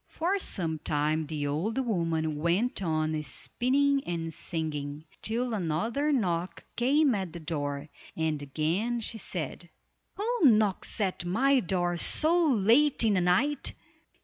For some time the old woman went on spinning and singing, till another knock came at the door, and again she said: "Who knocks at my door so late in the night?"